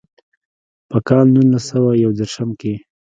پۀ کال نولس سوه يو ديرشم کښې